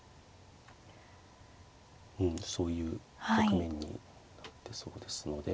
うんそういう局面になってそうですので。